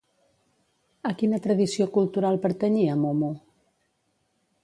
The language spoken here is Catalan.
A quina tradició cultural pertanyia Momo?